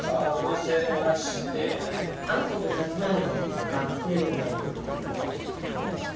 あんことさつまいもが隠れるぐらいにくるくるくるっとしてくれれば。